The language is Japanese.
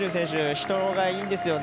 人が、いいんですよね。